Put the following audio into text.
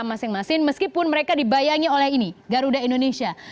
masing masing meskipun mereka dibayangi oleh ini garuda indonesia